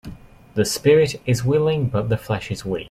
The spirit is willing but the flesh is weak.